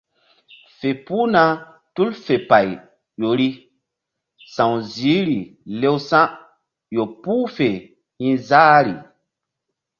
Fe puhna tul fe pay ƴo ri sa̧w ziihri lewsa̧ ƴo puh fe hi̧ záhri.